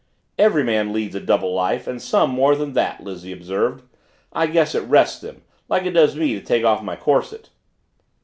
"Every man leads a double life and some more than that," Lizzie observed. "I guess it rests them, like it does me to take off my corset."